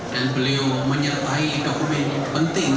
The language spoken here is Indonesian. dan beliau menyertai dokumen penting